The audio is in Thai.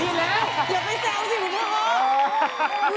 ไม่เป็นไรแสบไอ้ชิดีแล้ว